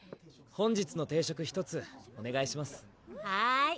本日の定食１つおねがいしますはーい！